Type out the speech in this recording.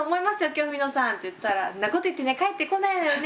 今日文野さん」って言ったら「そんなこと言ってね帰ってこないのよね